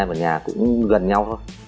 và nhà cũng gần nhau